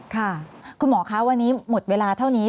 ค่ะคุณหมอคะวันนี้หมดเวลาเท่านี้